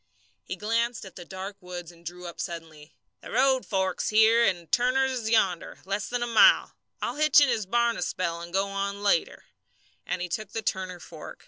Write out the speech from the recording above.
He glanced at the dark woods and drew up suddenly. "The road forks here, and Turner's is yonder less than a mile. I'll hitch in his barn a spell and go on later," and he took the Turner fork.